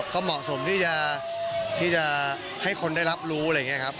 ก็เหมาะสมที่จะให้คนได้รับรู้อะไรอย่างนี้ครับ